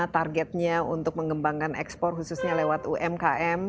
targetnya untuk mengembangkan ekspor khususnya lewat umkm